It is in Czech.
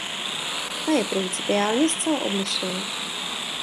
Ta je principiálně zcela odlišná.